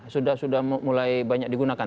sudah sudah mulai banyak digunakan